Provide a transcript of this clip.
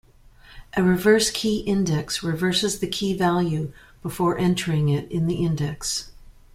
A reverse key index reverses the key value before entering it in the index.